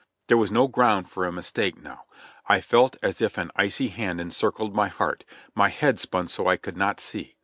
There was no ground for a mistake now. I felt as if an icy hand encircled my heart; my head spun so I could not see.